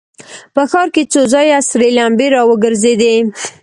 په ښار کې څو ځايه سرې لمبې را وګرځېدې.